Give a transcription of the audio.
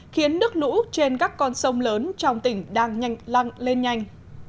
khiến nước lũ trên các con sông lớn trong tỉnh đang nhanh lăng lên nhanh